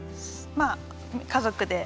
まあ家族で。